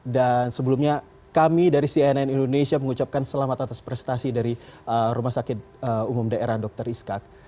dan sebelumnya kami dari cnn indonesia mengucapkan selamat atas prestasi dari rumah sakit umum daerah dr iskak